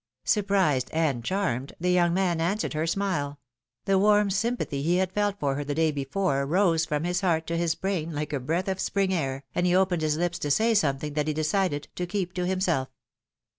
'^ Surprised and charmed, the young man answered her smile; the warm sympathy he had felt for her the day before rose from his heart to his brain like a breath of spring air, and he opened his lips to say something that he decided to keep to himself.